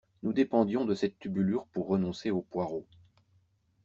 Nous dépendions de cette tubulure pour renoncer aux poireaux.